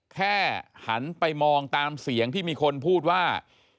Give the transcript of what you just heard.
แค่หันไปมองตามเสียงที่มีคนพูดว่า